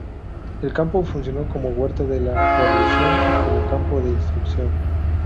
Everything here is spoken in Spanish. El campo funcionó como huerta de la guarnición y como campo de instrucción.